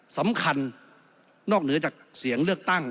สำคัญนอกเหนือจากเสียงเลือกตั้ง